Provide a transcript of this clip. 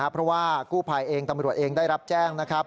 เพราะว่ากู้ภัยเองตำรวจเองได้รับแจ้งนะครับ